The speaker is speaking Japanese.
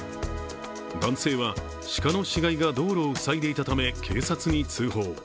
男性は鹿の死骸が道路を塞いでいたため警察に通報。